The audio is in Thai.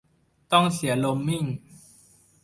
ต้องเสียโรมมิ่ง ?